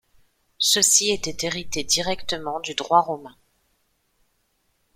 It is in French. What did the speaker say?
Ceci était hérité directement du droit romain.